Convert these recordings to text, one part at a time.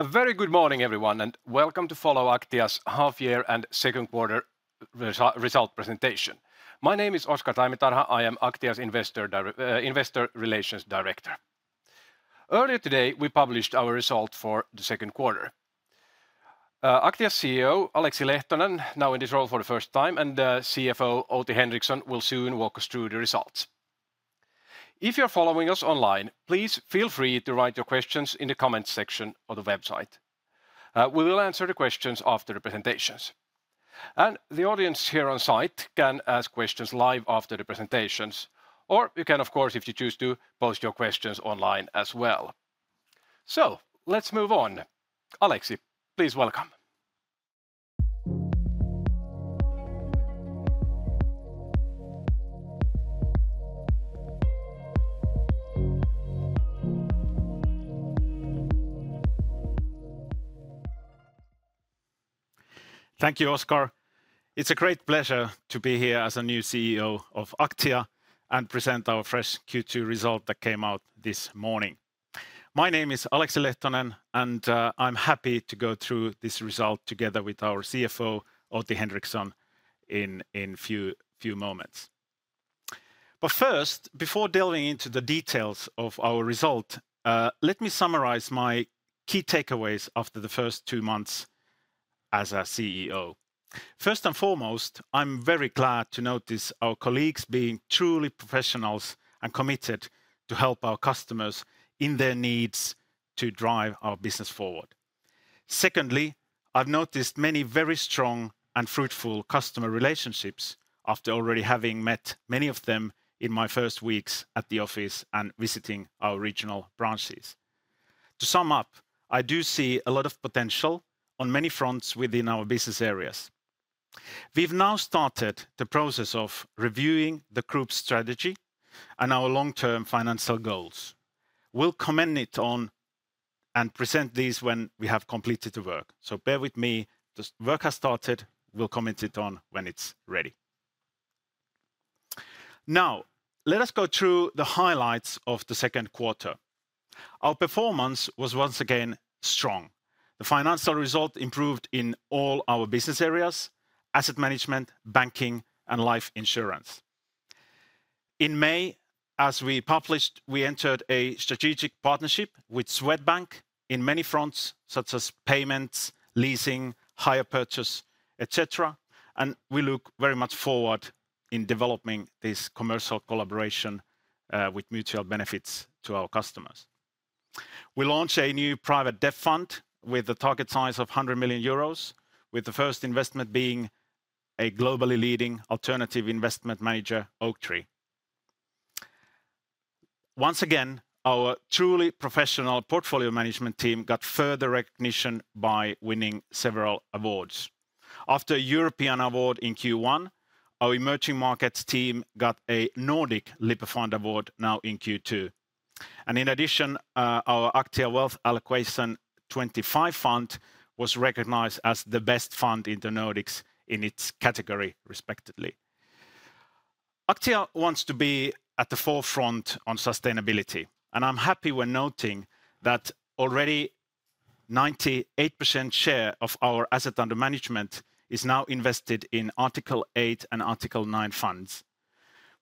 A very good morning, everyone, and welcome to follow Aktia's half year and Q2 result presentation. My name is Oscar Taimitarha. I am Aktia's Investor Relations Director. Earlier today, we published our result for the Q2. Aktia's CEO, Aleksi Lehtonen, now in this role for the first time, and CFO, Outi Henriksson, will soon walk us through the results. If you're following us online, please feel free to write your questions in the comments section of the website. We will answer the questions after the presentations. The audience here on site can ask questions live after the presentations, or you can, of course, if you choose to, post your questions online as well. So let's move on. Aleksi, please welcome. Thank you, Oscar. It's a great pleasure to be here as a new CEO of Aktia and present our fresh Q2 result that came out this morning. My name is Aleksi Lehtonen, and I'm happy to go through this result together with our CFO, Outi Henriksson, in a few moments. But first, before delving into the details of our result, let me summarize my key takeaways after the first two months as a CEO. First and foremost, I'm very glad to notice our colleagues being truly professionals and committed to help our customers in their needs to drive our business forward. Secondly, I've noticed many very strong and fruitful customer relationships after already having met many of them in my first weeks at the office and visiting our regional branches. To sum up, I do see a lot of potential on many fronts within our business areas. We've now started the process of reviewing the group's strategy and our long-term financial goals. We'll comment it on and present these when we have completed the work, so bear with me. The work has started. We'll comment it on when it's ready. Now, let us go through the highlights of the Q2. Our performance was once again strong. The financial result improved in all our business areas: asset management, banking, and life insurance. In May, as we published, we entered a strategic partnership with Swedbank in many fronts, such as payments, leasing, hire purchase, et cetera, and we look very much forward in developing this commercial collaboration with mutual benefits to our customers. We launched a new private debt fund with a target size of 100 million euros, with the first investment being a globally leading alternative investment manager, Oaktree. Once again, our truly professional portfolio management team got further recognition by winning several awards. After a European award in Q1, our emerging markets team got a Nordic Lipper Fund Award now in Q2. And in addition, our Aktia Wealth Allocation 25 fund was recognized as the best fund in the Nordics in its category, respectively. Aktia wants to be at the forefront on sustainability, and I'm happy when noting that already 98% share of our asset under management is now invested in Article Eight and Article Nine funds.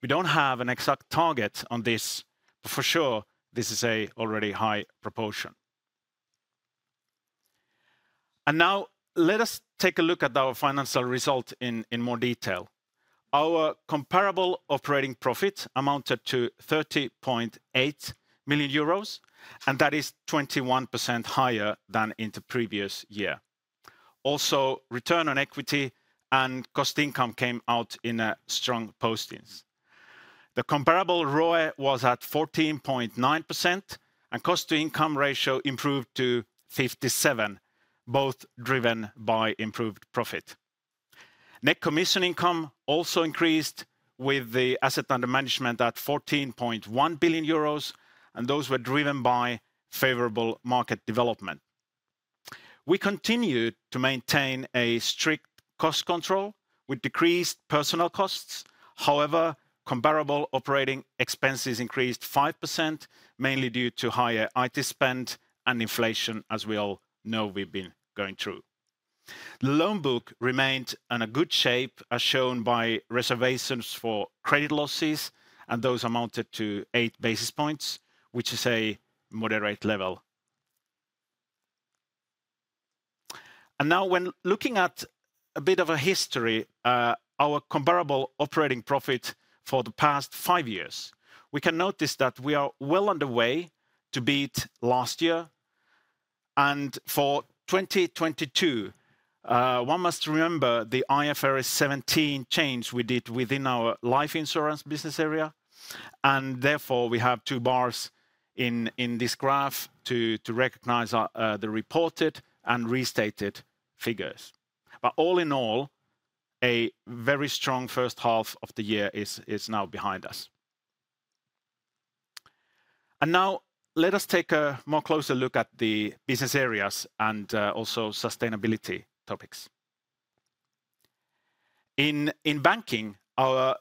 We don't have an exact target on this, but for sure, this is a already high proportion. And now let us take a look at our financial result in more detail. Our comparable operating profit amounted to 30.8 million euros, and that is 21% higher than in the previous year. Also, return on equity and cost-to-income came out in strong postings. The comparable ROE was at 14.9%, and cost-to-income ratio improved to 57%, both driven by improved profit. Net commission income also increased with the assets under management at 14.1 billion euros, and those were driven by favorable market development. We continued to maintain a strict cost control with decreased personnel costs. However, comparable operating expenses increased 5%, mainly due to higher IT spend and inflation, as we all know we've been going through. The loan book remained in a good shape, as shown by reservations for credit losses, and those amounted to eight basis points, which is a moderate level. Now when looking at a bit of a history, our comparable operating profit for the past 5 years, we can notice that we are well on the way to beat last year. For 2022, one must remember the IFRS 17 change we did within our life insurance business area, and therefore, we have 2 bars in this graph to recognize the reported and restated figures. All in all, a very strong H1 of the year is now behind us. Now let us take a more closer look at the business areas and also sustainability topics... In banking, our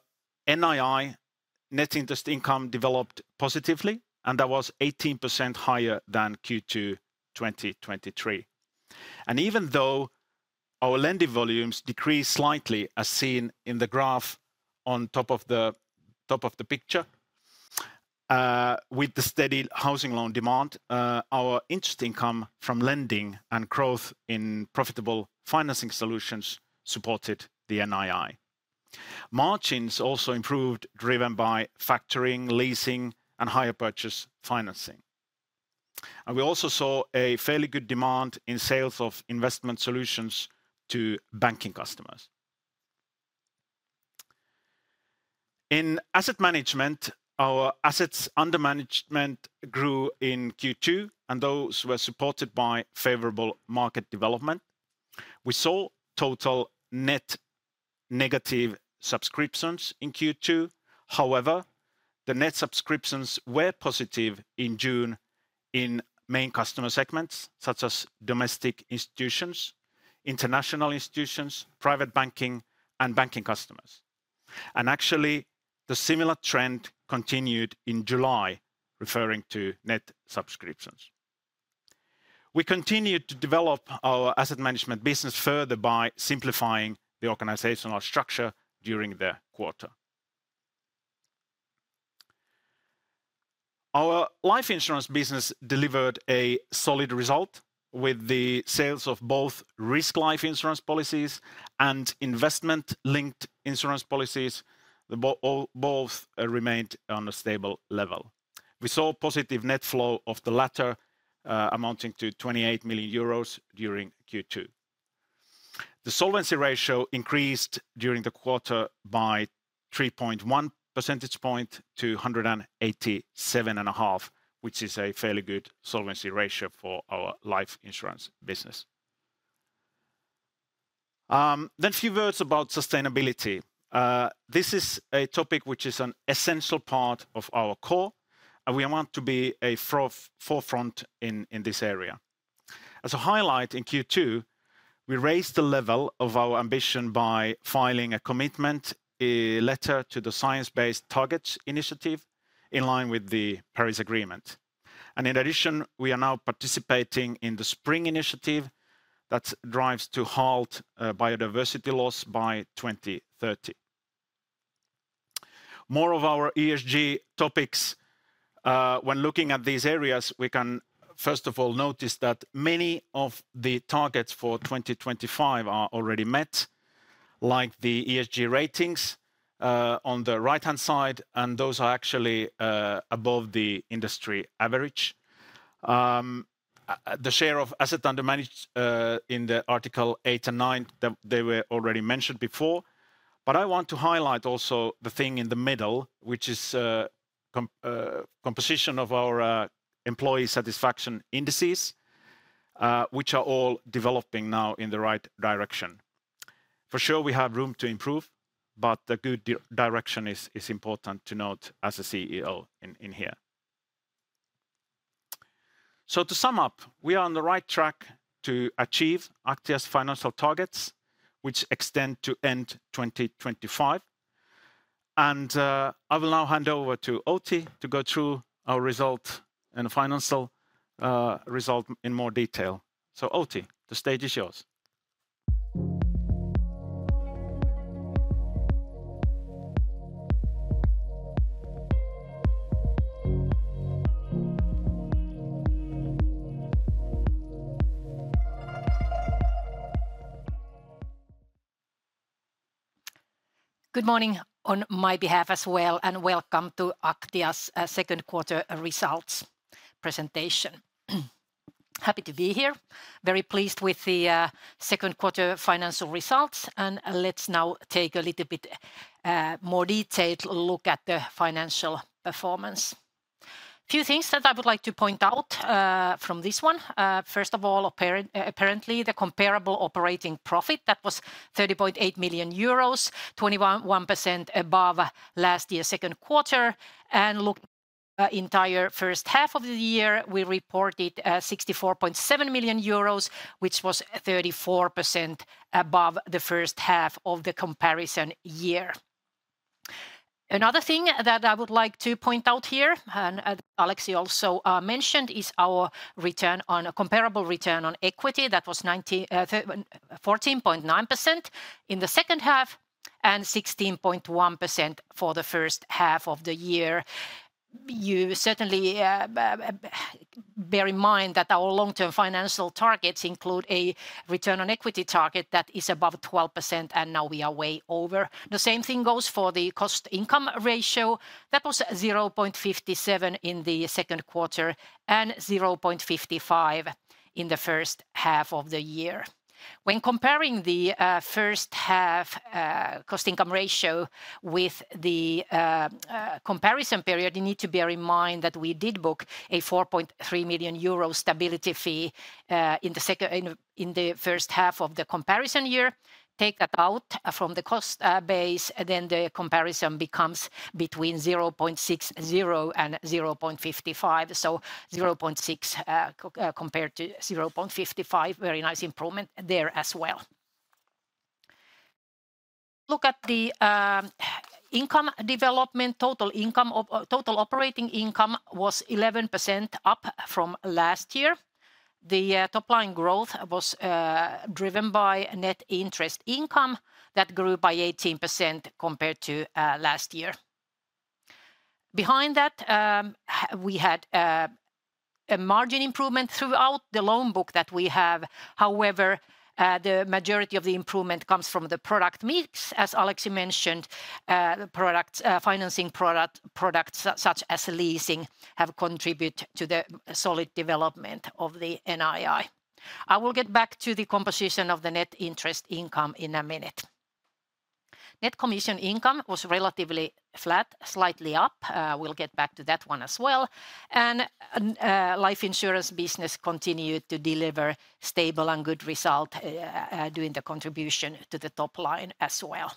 NII, net interest income, developed positively, and that was 18% higher than Q2 2023. Even though our lending volumes decreased slightly, as seen in the graph on top of the picture, with the steady housing loan demand, our interest income from lending and growth in profitable financing solutions supported the NII. Margins also improved, driven by factoring, leasing, and higher purchase financing. We also saw a fairly good demand in sales of investment solutions to banking customers. In asset management, our assets under management grew in Q2, and those were supported by favorable market development. We saw total net negative subscriptions in Q2. However, the net subscriptions were positive in June in main customer segments, such as domestic institutions, international institutions, private banking, and banking customers. Actually, the similar trend continued in July, referring to net subscriptions. We continued to develop our asset management business further by simplifying the organizational structure during the quarter. Our life insurance business delivered a solid result with the sales of both risk life insurance policies and investment-linked insurance policies. Both remained on a stable level. We saw positive net flow of the latter amounting to 28 million euros during Q2. The solvency ratio increased during the quarter by 3.1 percentage point to 187.5, which is a fairly good solvency ratio for our life insurance business. Then a few words about sustainability. This is a topic which is an essential part of our core, and we want to be a forefront in this area. As a highlight in Q2, we raised the level of our ambition by filing a commitment, a letter to the Science Based Targets initiative, in line with the Paris Agreement. In addition, we are now participating in the Spring initiative that drives to halt biodiversity loss by 2030. More of our ESG topics. When looking at these areas, we can, first of all, notice that many of the targets for 2025 are already met, like the ESG ratings on the right-hand side, and those are actually above the industry average. The share of assets under management in the Article 8 and 9, they were already mentioned before. But I want to highlight also the thing in the middle, which is composition of our employee satisfaction indices, which are all developing now in the right direction. For sure, we have room to improve, but the good direction is important to note as a CEO in here. So to sum up, we are on the right track to achieve Aktia's financial targets, which extend to end 2025. And, I will now hand over to Outi to go through our result and financial, result in more detail. So, Outi, the stage is yours. Good morning on my behalf as well, and welcome to Aktia's Q2 results presentation. Happy to be here. Very pleased with the Q2 financial results, and let's now take a little bit more detailed look at the financial performance. A few things that I would like to point out from this one. First of all, apparently, the comparable operating profit, that was 30.8 million euros, 21.1% above last year's Q2. Look, entire H1 of the year, we reported 64.7 million euros, which was 34% above the H1 of the comparison year. Another thing that I would like to point out here, and Aleksi also mentioned, is our return on a comparable return on equity. That was 14.9% in the H2, and 16.1% for the H1 of the year. You certainly bear in mind that our long-term financial targets include a return on equity target that is above 12%, and now we are way over. The same thing goes for the cost-income ratio. That was 0.57 in the Q2 and 0.55 in the H1 of the year. When comparing the H1 cost-income ratio with the comparison period, you need to bear in mind that we did book a 4.3 million euro stability fee in the H1 of the comparison year. Take that out from the cost base, then the comparison becomes between 0.60 and 0.55. So 0.6, compared to 0.55, very nice improvement there as well. Look at the income development, total income of, total operating income was 11% up from last year. The top line growth was driven by net interest income that grew by 18% compared to last year. Behind that, we had a margin improvement throughout the loan book that we have. However, the majority of the improvement comes from the product mix. As Aleksi mentioned, the products, financing product, products such as leasing have contribute to the solid development of the NII. I will get back to the composition of the net interest income in a minute. Net commission income was relatively flat, slightly up. We'll get back to that one as well. The life insurance business continued to deliver stable and good result, doing the contribution to the top line as well.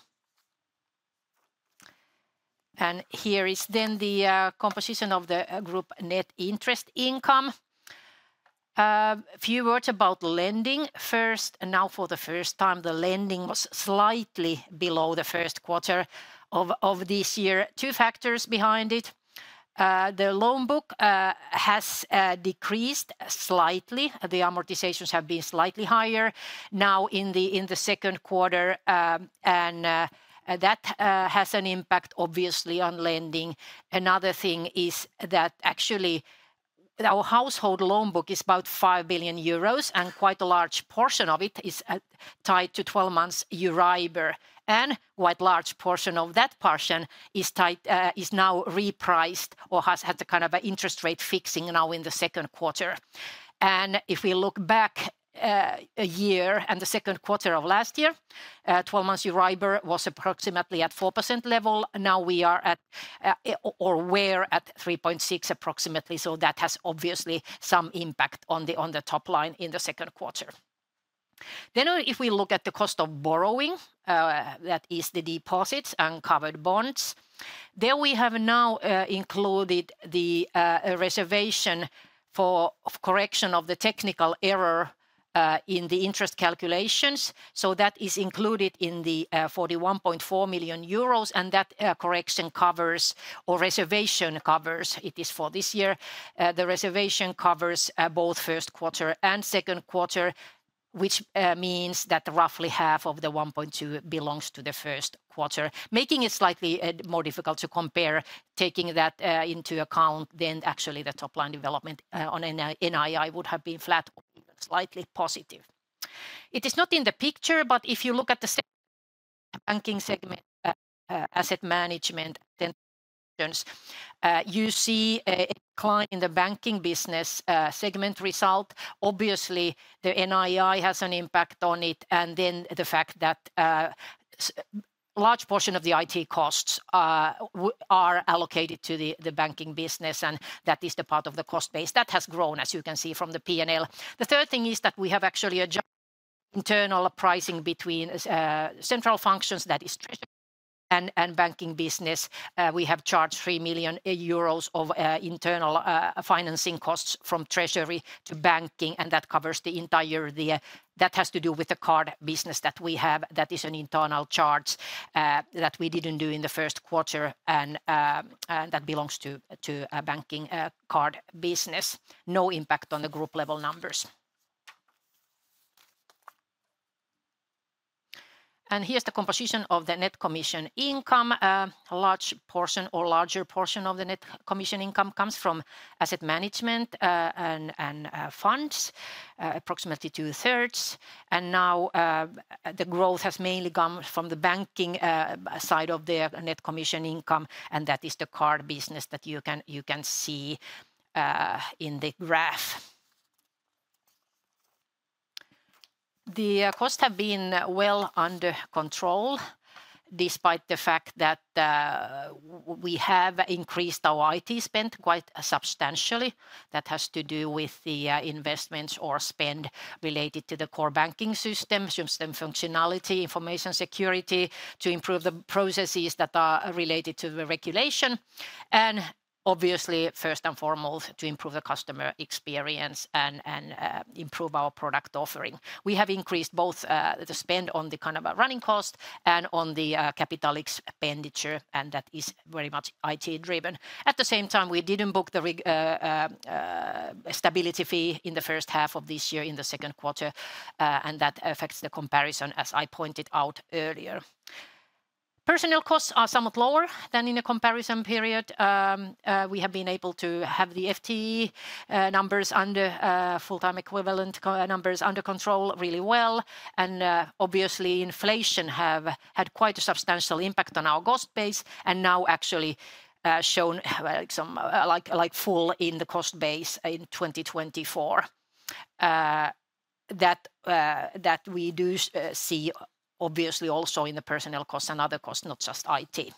Here is then the composition of the group net interest income. A few words about lending first, and now for the first time, the lending was slightly below the Q1 of this year. Two factors behind it. The loan book has decreased slightly. The amortizations have been slightly higher now in the Q2, and that has an impact, obviously, on lending. Another thing is that actually, our household loan book is about 5 billion euros, and quite a large portion of it is tied to twelve months EURIBOR, and quite large portion of that portion is tied... It is now repriced or has had a kind of an interest rate fixing now in the Q2. If we look back a year and the Q2 of last year, 12 months EURIBOR was approximately at 4% level. Now we are at, or we're at 3.6, approximately, so that has obviously some impact on the, on the top line in the Q2. If we look at the cost of borrowing, that is the deposits and covered bonds, there we have now included the reservation for of correction of the technical error in the interest calculations. So that is included in the 41.4 million euros, and that correction covers, or reservation covers, it is for this year. The reservation covers both Q1 and Q2, which means that roughly half of the 1.2 belongs to the Q1, making it slightly more difficult to compare. Taking that into account, then actually the top line development on NII would have been flat or even slightly positive. It is not in the picture, but if you look at the banking segment, asset management, then you see a decline in the banking business segment result. Obviously, the NII has an impact on it, and then the fact that a large portion of the IT costs are allocated to the banking business, and that is the part of the cost base. That has grown, as you can see from the P&L. The third thing is that we have actually adjust internal pricing between, central functions, that is, treasury and, and banking business. We have charged 3 million euros of, internal, financing costs from treasury to banking, and that covers the entire... The, that has to do with the card business that we have. That is an internal charge, that we didn't do in the Q1, and, and that belongs to, to a banking, card business. No impact on the group level numbers. Here's the composition of the net commission income. A large portion or larger portion of the net commission income comes from asset management, and, and, funds, approximately two-thirds. And now, the growth has mainly come from the banking side of the net commission income, and that is the card business that you can, you can see in the graph. The costs have been well under control, despite the fact that we have increased our IT spend quite substantially. That has to do with the investments or spend related to the core banking system, system functionality, information security, to improve the processes that are related to the regulation, and obviously, first and foremost, to improve the customer experience and improve our product offering. We have increased both the spend on the kind of running cost and on the capital expenditure, and that is very much IT-driven. At the same time, we didn't book the reg... Stability fee in the H1 of this year, in the Q2, and that affects the comparison, as I pointed out earlier. Personnel costs are somewhat lower than in the comparison period. We have been able to have the FTE numbers under control really well. And, obviously, inflation have had quite a substantial impact on our cost base, and now actually, shown, some, like, like, full in the cost base in 2024. That we do see obviously also in the personnel costs and other costs, not just IT.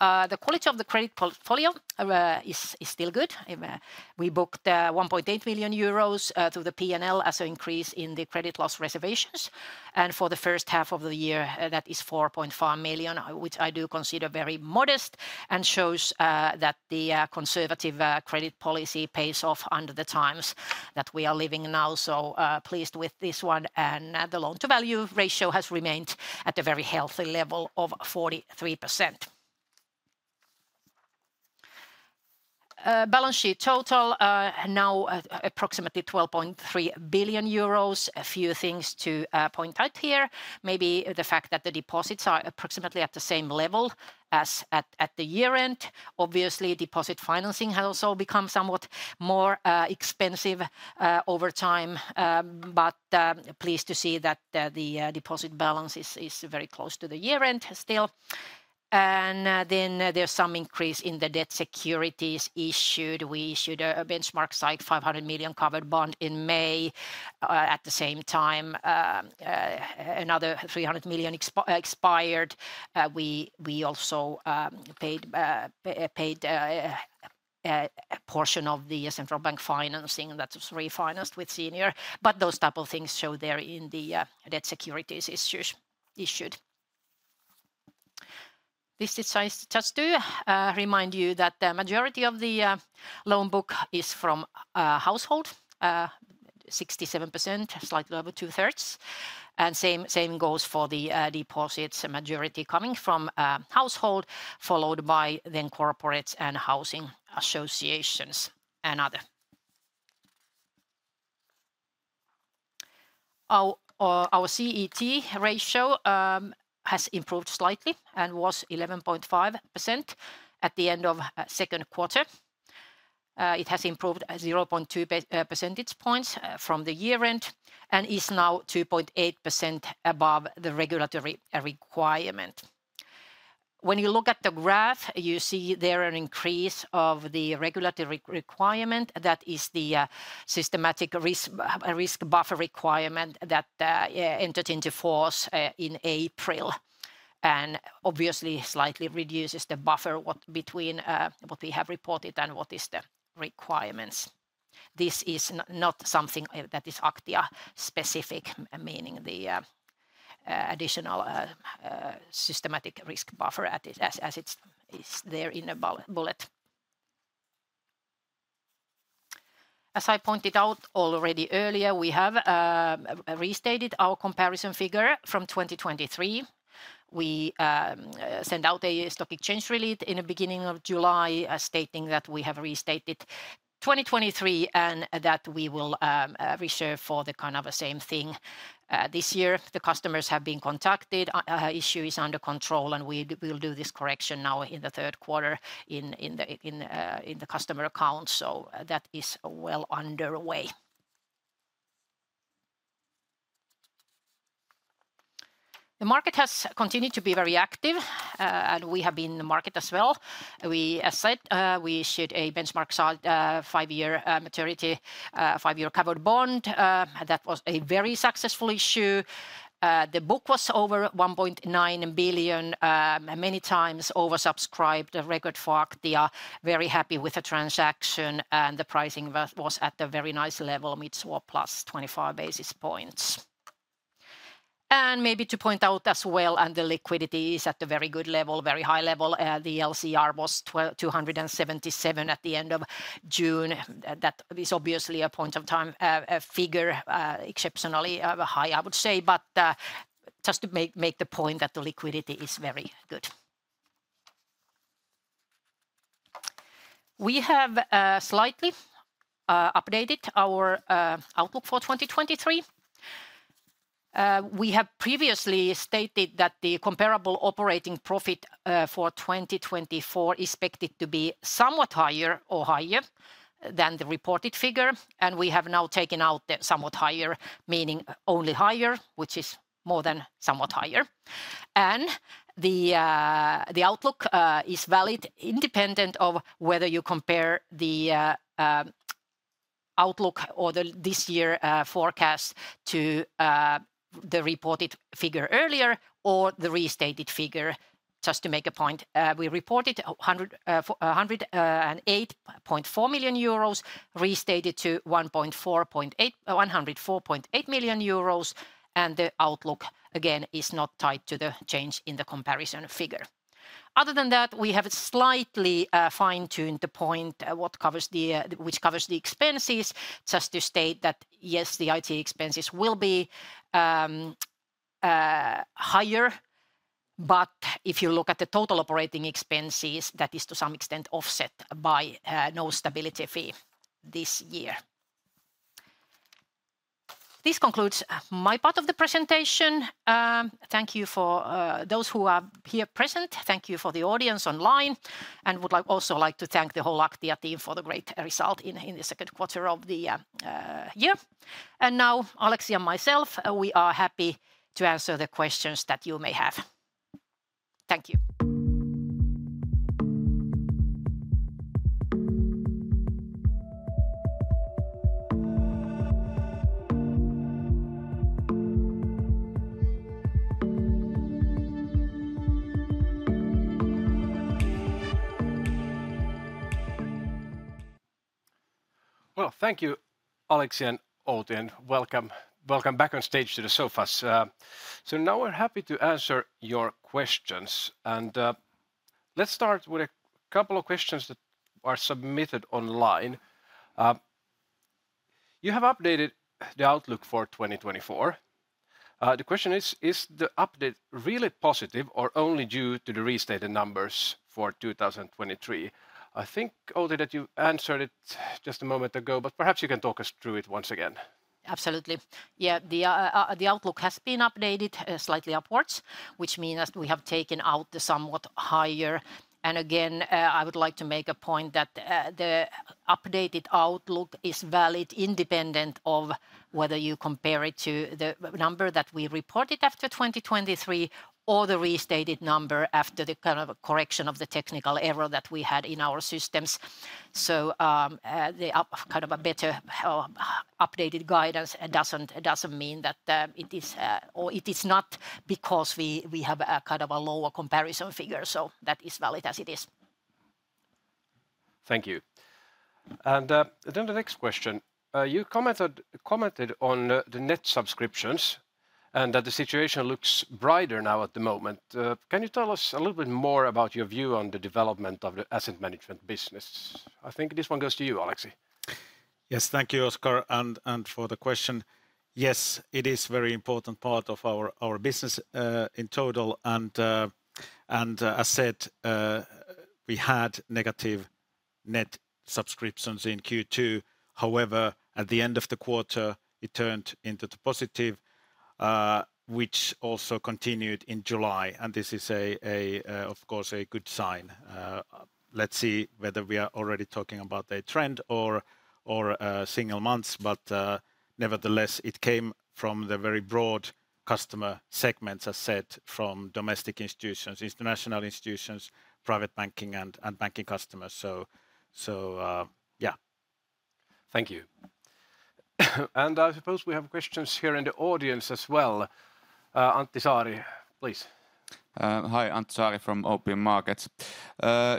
The quality of the credit portfolio is still good. We booked 1.8 million euros through the P&L as an increase in the credit loss reservations. For the H1 of the year, that is 4.5 million, which I do consider very modest, and shows that the conservative credit policy pays off under the times that we are living now. So, pleased with this one. And, the loan-to-value ratio has remained at a very healthy level of 43%. Balance sheet total now approximately 12.3 billion euros. A few things to point out here, maybe the fact that the deposits are approximately at the same level as at the year-end. Obviously, deposit financing has also become somewhat more expensive over time. But pleased to see that the deposit balance is very close to the year-end still. And then there's some increase in the debt securities issued. We issued a benchmark-sized 500 million covered bond in May. At the same time, another 300 million expired. We also paid a portion of the central bank financing that was refinanced with senior. But those type of things show there in the debt securities issued. This is just to remind you that the majority of the loan book is from household, 67%, slightly over two-thirds, and same goes for the deposits, a majority coming from household, followed by then corporates and housing associations and other. Our CET ratio has improved slightly and was 11.5% at the end of Q2. It has improved 0.2 percentage points from the year-end, and is now 2.8% above the regulatory requirement. When you look at the graph, you see there an increase of the regulatory requirement. That is the systemic risk buffer requirement that entered into force in April, and obviously slightly reduces the buffer between what we have reported and what is the requirements. This is not something that is Aktia specific, meaning the additional systemic risk buffer as it's there in the bullet. As I pointed out already earlier, we have restated our comparison figure from 2023. We sent out a stock exchange release in the beginning of July, stating that we have restated 2023, and that we will reserve for the kind of same thing this year. The customers have been contacted, issue is under control, and we'll do this correction now in the Q3, in the customer accounts. So that is well underway. The market has continued to be very active, and we have been in the market as well. We, as said, we issued a benchmark five-year maturity five-year covered bond. That was a very successful issue. The book was over 1.9 billion, many times oversubscribed, a record for Aktia. Very happy with the transaction, and the pricing was at a very nice level, mid swap plus 25 basis points. And maybe to point out as well, and the liquidity is at a very good level, very high level. The LCR was 277 at the end of June. That is obviously a point of time figure, exceptionally high, I would say, but just to make the point that the liquidity is very good. We have slightly updated our outlook for 2023. We have previously stated that the comparable operating profit for 2024 is expected to be somewhat higher or higher than the reported figure, and we have now taken out the somewhat higher, meaning only higher, which is more than somewhat higher. The outlook is valid independent of whether you compare the outlook or the this year forecast to the reported figure earlier, or the restated figure. Just to make a point, we reported 408.4 million euros, restated to 104.8 million euros, and the outlook, again, is not tied to the change in the comparison figure. Other than that, we have slightly fine-tuned the point, what covers the, which covers the expenses, just to state that, yes, the IT expenses will be higher. But if you look at the total operating expenses, that is to some extent offset by no stability fee this year. This concludes my part of the presentation. Thank you for those who are here present. Thank you for the audience online, and would also like to thank the whole Aktia team for the great result in the Q2 of the year. Now, Aleksi and myself, we are happy to answer the questions that you may have. Thank you. Well, thank you, Aleksi and Outi, and welcome, welcome back on stage to the sofas. So now we're happy to answer your questions, and let's start with a couple of questions that are submitted online. You have updated the outlook for 2024. The question is, is the update really positive or only due to the restated numbers for 2023? I think, Outi, that you answered it just a moment ago, but perhaps you can talk us through it once again. Absolutely. Yeah, the outlook has been updated slightly upwards, which means that we have taken out the somewhat higher... And again, I would like to make a point that the updated outlook is valid independent of whether you compare it to the number that we reported after 2023, or the restated number after the kind of a correction of the technical error that we had in our systems. So, the kind of a better updated guidance doesn't mean that it is... or it is not because we have a kind of a lower comparison figure, so that is valid as it is. Thank you. And then the next question. You commented on the net subscriptions, and that the situation looks brighter now at the moment. Can you tell us a little bit more about your view on the development of the asset management business? I think this one goes to you, Aleksi. Yes, thank you, Oscar, for the question. Yes, it is very important part of our business in total, and as said, we had negative net subscriptions in Q2. However, at the end of the quarter, it turned into the positive, which also continued in July, and this is, of course, a good sign. Let's see whether we are already talking about a trend or single months, but nevertheless, it came from the very broad customer segments, as said, from domestic institutions, international institutions, private banking, and banking customers. So, yeah. Thank you. I suppose we have questions here in the audience as well. Antti Saari, please. Hi, Antti Saari from OP Markets.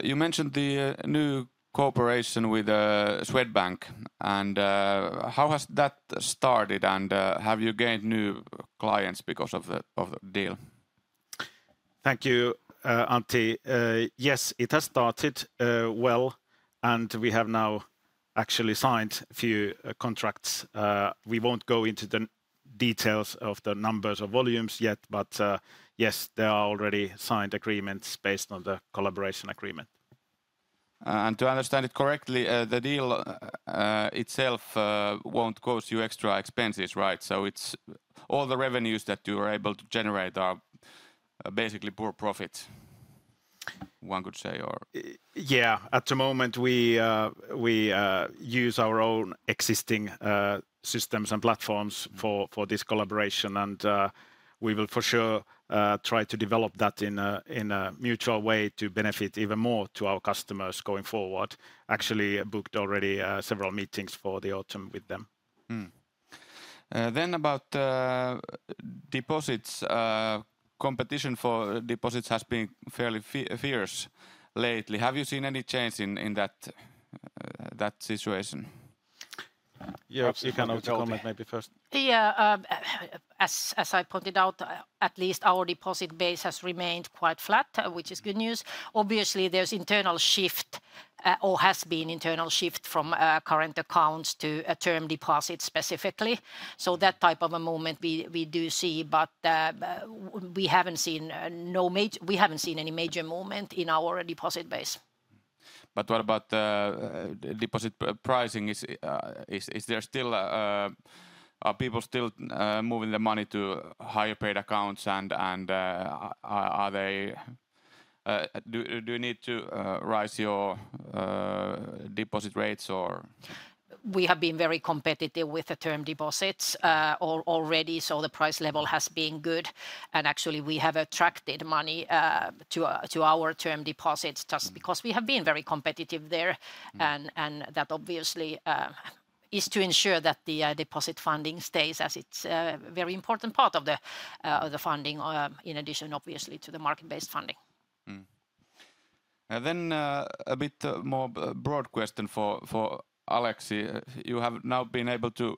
You mentioned the new cooperation with Swedbank, and how has that started, and have you gained new clients because of the deal? Thank you, Antti. Yes, it has started, well, and we have now actually signed a few contracts. We won't go into the details of the numbers or volumes yet, but yes, there are already signed agreements based on the collaboration agreement. To understand it correctly, the deal itself won't cost you extra expenses, right? So it's... All the revenues that you are able to generate are basically pure profit, one could say, or- Yeah, at the moment, we use our own existing systems and platforms-... for this collaboration, and we will for sure try to develop that in a mutual way to benefit even more to our customers going forward. Actually, booked already several meetings for the autumn with them. Then about deposits. Competition for deposits has been fairly fierce lately. Have you seen any change in that situation? Yeah, you can also comment maybe first. As I pointed out, at least our deposit base has remained quite flat, which is good news. Obviously, there's internal shift, or has been internal shift from current accounts to a term deposit specifically. So that type of a movement, we do see, but we haven't seen any major movement in our deposit base. But what about deposit pricing? Is there still... Are people still moving their money to higher paid accounts, and are they... Do you need to rise your deposit rates, or? We have been very competitive with the term deposits, already, so the price level has been good. And actually, we have attracted money to our term deposits, just because we have been very competitive there. And that obviously is to ensure that the deposit funding stays, as it's a very important part of the funding, in addition, obviously, to the market-based funding. And then, a bit more broad question for, for Aleksi. You have now been able to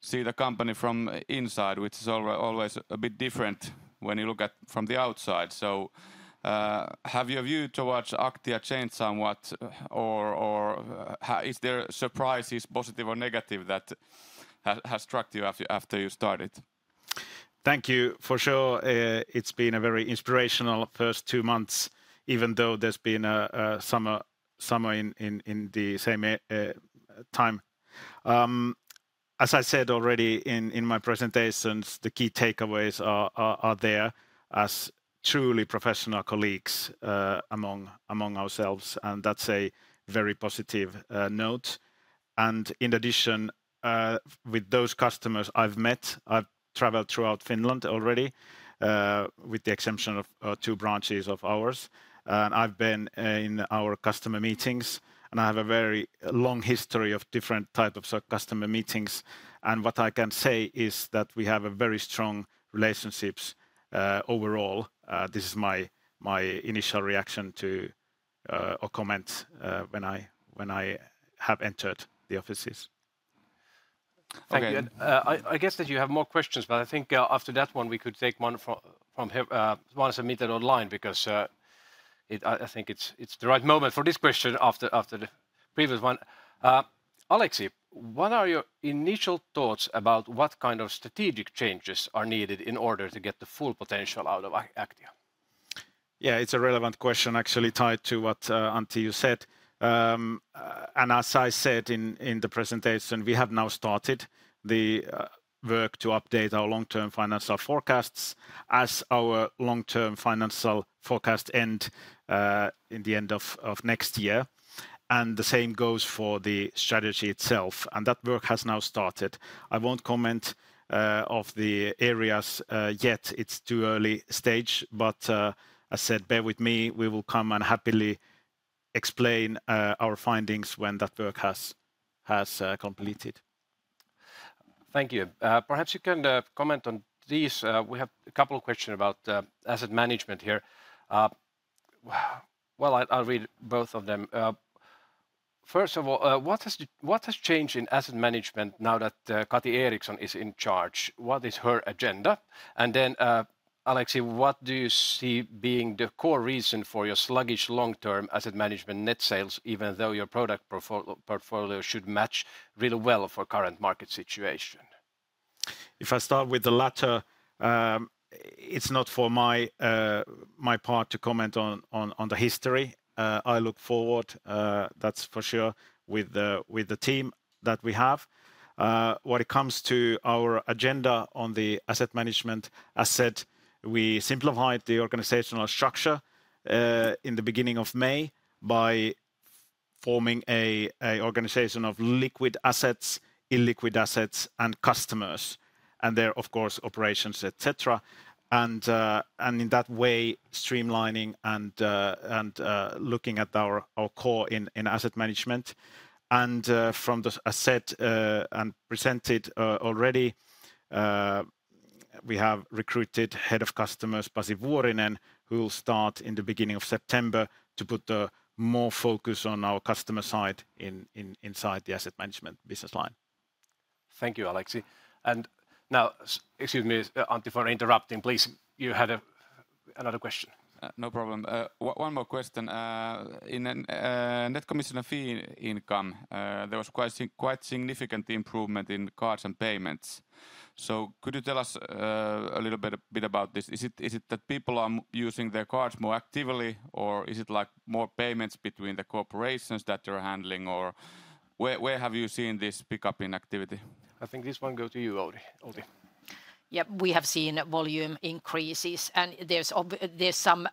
see the company from inside, which is always a bit different when you look at from the outside. So, have your view towards Aktia changed somewhat, or, or, is there surprises, positive or negative, that has struck you after, after you started? Thank you. For sure, it's been a very inspirational first two months, even though there's been a summer in the same time. As I said already in my presentations, the key takeaways are there, as truly professional colleagues among ourselves, and that's a very positive note. In addition, with those customers I've met, I've traveled throughout Finland already, with the exception of two branches of ours, and I've been in our customer meetings, and I have a very long history of different type of customer meetings, and what I can say is that we have a very strong relationships overall. This is my initial reaction to, or comment, when I have entered the offices. Thank you. Okay. I guess that you have more questions, but I think after that one, we could take one from him, one submitted online, because I think it's the right moment for this question after the previous one. Aleksi, what are your initial thoughts about what kind of strategic changes are needed in order to get the full potential out of Aktia? Yeah, it's a relevant question actually tied to what, Antti, you said. And as I said in the presentation, we have now started the work to update our long-term financial forecasts, as our long-term financial forecast end in the end of next year, and the same goes for the strategy itself, and that work has now started. I won't comment of the areas yet. It's too early stage, but as said, bear with me, we will come and happily explain our findings when that work has completed. Thank you. Perhaps you can comment on these. We have a couple of question about asset management here. Well, I'll read both of them. First of all, what has changed in asset management now that Kati Eriksson is in charge? What is her agenda? And then, Aleksi, what do you see being the core reason for your sluggish long-term asset management net sales, even though your product portfolio should match really well for current market situation? If I start with the latter, it's not for my part to comment on the history. I look forward with the team that we have, that's for sure. When it comes to our agenda on the asset management, as said, we simplified the organizational structure in the beginning of May, by forming an organization of liquid assets, illiquid assets, and customers, and there, of course, operations, et cetera. And in that way, streamlining and looking at our core in asset management. And, as presented already, we have recruited head of customers, Pasi Vuorinen, who will start in the beginning of September, to put more focus on our customer side inside the asset management business line. Thank you, Aleksi, and now, excuse me, Antti, for interrupting, please. You had a, another question. No problem. One more question. In net commission and fee income, there was quite significant improvement in cards and payments, so could you tell us a little bit about this? Is it that people are using their cards more actively, or is it like more payments between the corporations that you're handling, or where have you seen this pickup in activity? I think this one go to you, Outi, Outi. Yep, we have seen volume increases, and there's some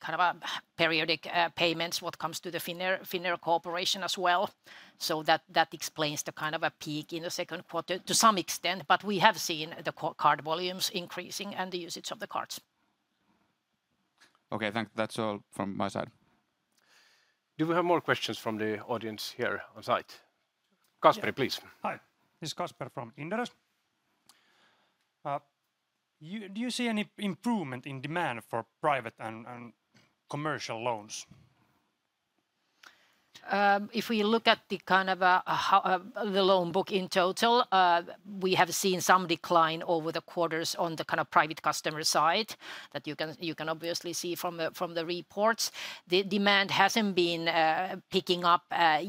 kind of a periodic payments that comes to the Finnair, Finnair as well, so that explains the kind of a peak in the Q2 to some extent, but we have seen the card volumes increasing and the usage of the cards. Okay. That's all from my side. Do we have more questions from the audience here on site? Kasper, please. Hi, this is Kasper from Inderes. Do you see any improvement in demand for private and commercial loans? If we look at the kind of, the loan book in total, we have seen some decline over the quarters on the kind of private customer side, that you can obviously see from the reports. The demand hasn't been picking up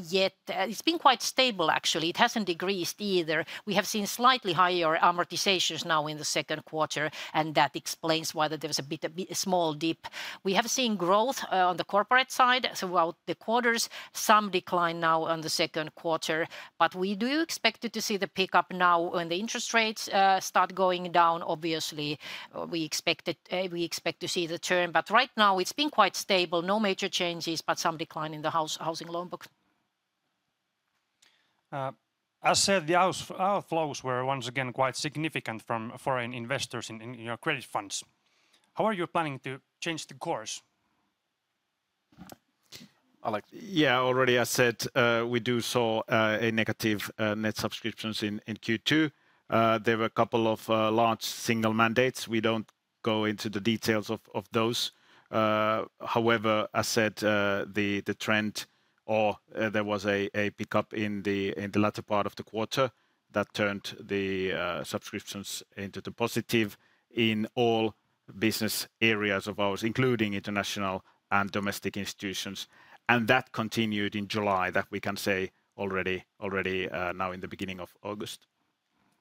yet. It's been quite stable, actually. It hasn't decreased either. We have seen slightly higher amortizations now in the Q2, and that explains why there was a bit, a bit, a small dip. We have seen growth on the corporate side, so while the quarters, some decline now on the Q2, but we do expect to see the pick-up now when the interest rates start going down. Obviously, we expected... we expect to see the turn, but right now, it's been quite stable. No major changes, but some decline in the housing loan book. As said, the outflows were once again quite significant from foreign investors in your credit funds. How are you planning to change the course? Aleksi? Yeah, already I said, we saw a negative net subscriptions in Q2. There were a couple of large single mandates. We don't go into the details of those. However, as said, the trend, or there was a pickup in the latter part of the quarter that turned the subscriptions into the positive in all business areas of ours, including international and domestic institutions, and that continued in July. That we can say already, already, now in the beginning of August.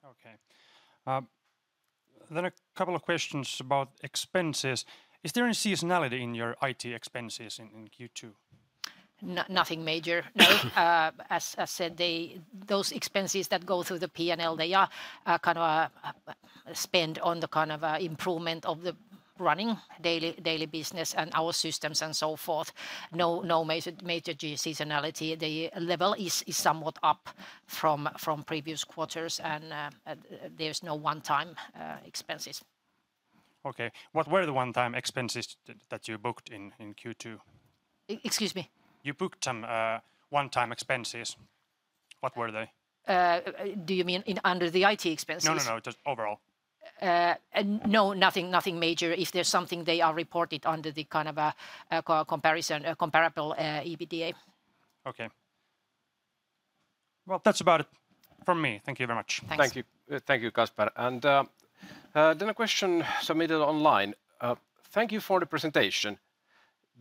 Okay. Then a couple of questions about expenses. Is there any seasonality in your IT expenses in Q2? Nothing major, no. As I said, they. Those expenses that go through the P&L, they are kind of spent on the kind of improvement of the running daily business and our systems, and so forth. No major seasonality. The level is somewhat up from previous quarters, and there's no one-time expenses. Okay. What were the one-time expenses that you booked in Q2? Excuse me? You booked some one-time expenses. What were they? Do you mean in, under the IT expenses? No, no, no, just overall. No, nothing, nothing major. If there's something, they are reported under the kind of comparable EBITDA. Okay. Well, that's about it from me. Thank you very much. Thanks. Thank you. Thank you, Kasper, and then a question submitted online. Thank you for the presentation.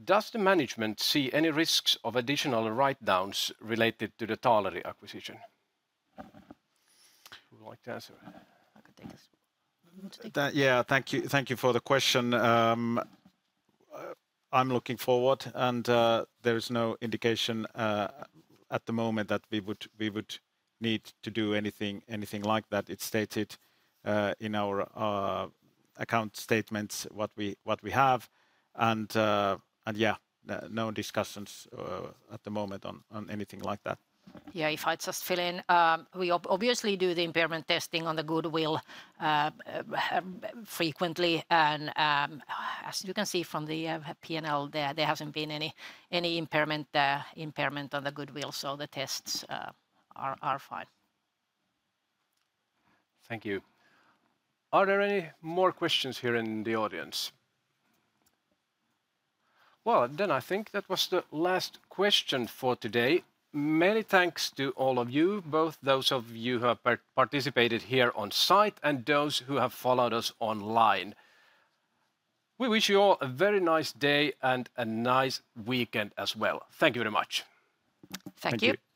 Does the management see any risks of additional write-downs related to the Taaleri acquisition? Who would like to answer? I can take this. That, yeah, thank you. Thank you for the question. I'm looking forward, and there is no indication at the moment that we would need to do anything like that. It's stated in our account statements what we have, and yeah, no discussions at the moment on anything like that. Yeah, if I just fill in, we obviously do the impairment testing on the goodwill frequently, and, as you can see from the P&L, there hasn't been any impairment on the goodwill, so the tests are fine. Thank you. Are there any more questions here in the audience? Well, then I think that was the last question for today. Many thanks to all of you, both those of you who have participated here on site and those who have followed us online. We wish you all a very nice day and a nice weekend as well. Thank you very much. Thank you. Thank you!